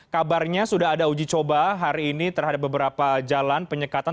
kabarnya sudah ada uji coba hari ini terhadap beberapa jalan penyekatan